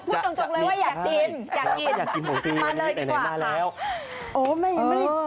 พูดตรงเลยว่าอยากกินอยากกินมาเลยดีกว่าค่ะ